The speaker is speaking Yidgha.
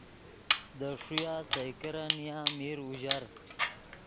دے ݰویا سئے کرن نیا میر اوژر